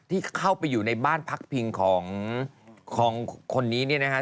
ที่เข้าไปอยู่ในบ้านพักพิงของคนนี้เนี่ยนะฮะ